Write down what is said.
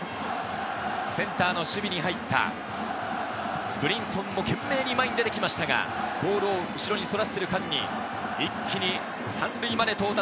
センターの守備に入ったブリンソンも懸命に前に出てきましたが、ボールを後ろにそらしている間に一気に３塁まで到達。